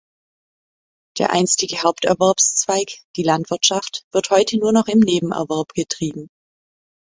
Der einstige Haupterwerbszweig, die Landwirtschaft, wird heute nur noch im Nebenerwerb betrieben.